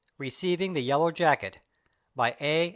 RECEIVING THE YELLOW JACKET BY A.